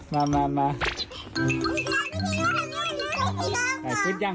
พี่มาพี่มา